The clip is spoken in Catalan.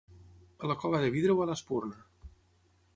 A la Cova de Vidre o a l'Espurna?